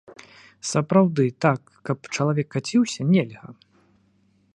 Сапраўды, так, каб чалавек каціўся, нельга.